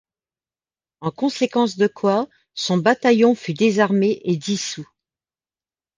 En conséquence de quoi son bataillon fut désarmé et dissous.